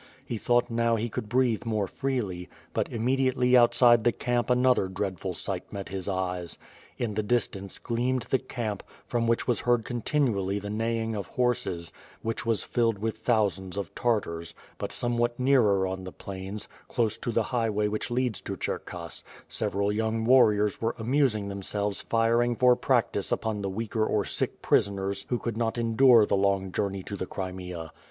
He thought now he could breatlie more freely, but immediately outside the camp another dreadful sight met his eyes. In the distance gleamed the camp, from which was heard continually the neighing of horses; which was filled with thousands of Tartars; but somewhat nearer on the plains, closes to the highway which leads to ('herkass, several young warriors were amusing themselves firing for practice upon the weaker or sick prisoners who could not endure the long journey to the Crimea.